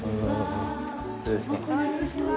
失礼します。